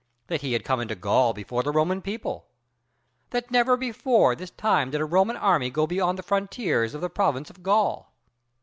That he had come into Gaul before the Roman people. That never before this time did a Roman army go beyond the frontiers of the province of Gaul.